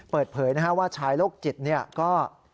เปิดเผยว่าชายโลกจิตก็